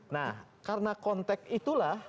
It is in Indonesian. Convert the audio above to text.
nah karena konteks itulah